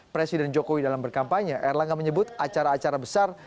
presiden jokowi dalam berkampanye erlangga menyebut acara acara besar